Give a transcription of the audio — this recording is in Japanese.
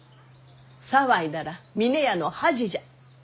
騒いだら峰屋の恥じゃ。